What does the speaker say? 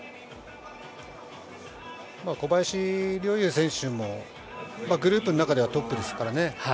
小林陵侑選手もグループの中ではトップですから。